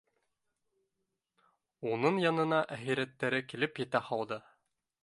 Уның янына әхирәттәре килеп етә һалды